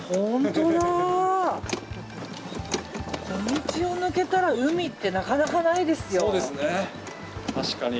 小道を抜けたら海ってなかなかないですよ。